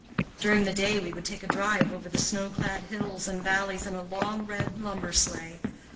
During the day we would take a drive over the snow clad hills and valleys in a long red lumber sleigh.